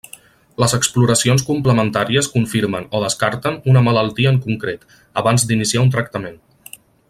Les exploracions complementàries confirmen o descarten una malaltia en concret, abans d'iniciar un tractament.